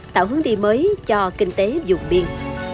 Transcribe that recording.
tạo hướng đi mới cho kinh tế dùng biên